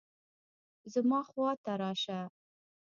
زما خوا ته راشه